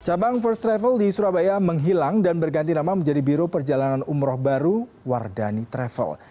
cabang first travel di surabaya menghilang dan berganti nama menjadi biro perjalanan umroh baru wardani travel